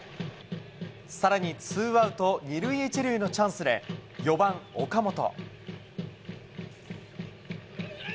さらにツーアウト２塁１塁のチャンスで４番岡本。